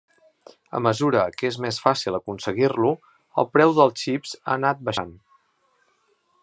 A mesura que és més fàcil aconseguir-lo, el preu dels xips ha anat baixant.